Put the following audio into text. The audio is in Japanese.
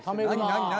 何？